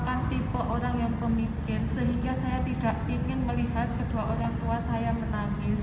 kedua orang tua saya merupakan tipe orang yang pemikir sehingga saya tidak ingin melihat kedua orang tua saya menangis